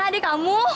a a adik kamu